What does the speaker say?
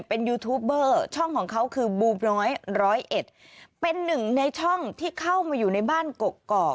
เป็นหนึ่งในช่องที่เข้ามาอยู่ในบ้านกกอก